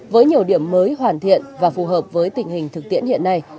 với nhiều điểm mới hoàn thiện và phù hợp với tình hình thực tiễn hiện nay